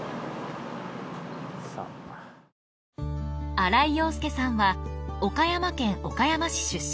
荒井陽介さんは岡山県岡山市出身。